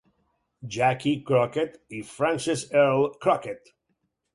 "Jackie" Crockett i Frances Earl Crockett.